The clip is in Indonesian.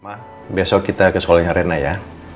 ma besok kita ke sekolah rena ya